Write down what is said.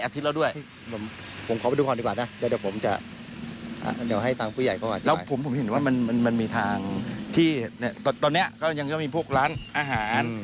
ที่ตอนนี้ก็ยังยังมีพวกร้านอาหาร